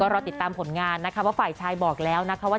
รอติดตามผลงานนะคะว่าฝ่ายชายบอกแล้วนะคะว่า